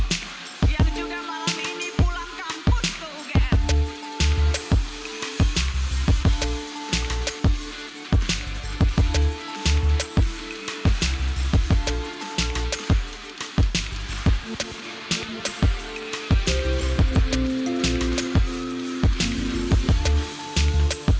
yang juga malam ini pulang kampus tuh gen